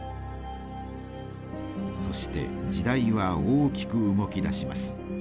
そして時代は大きく動きだします。